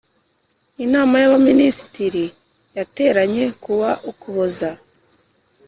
Inama y Abaminisitiri yateranye kuwa Ukuboza